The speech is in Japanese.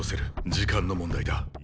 時間の問題だ。